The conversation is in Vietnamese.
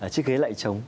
chiếc ghế lại trống